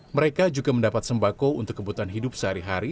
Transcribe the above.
mereka juga mendapat sembako untuk kebutuhan hidup sehari hari